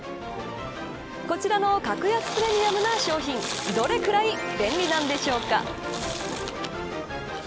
こちらの格安プレミアムな商品どれくらい便利なんでしょうか。